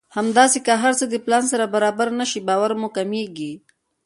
همداسې که هر څه د پلان سره برابر نه شي باور مو کمېږي.